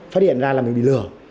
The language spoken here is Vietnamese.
phát hiện ra là mình bị lừa